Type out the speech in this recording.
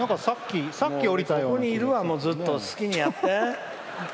ここにいるわ、好きにやって。